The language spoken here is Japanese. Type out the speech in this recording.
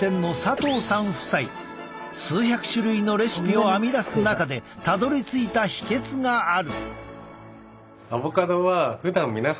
数百種類のレシピを編み出す中でたどりついた秘けつがある。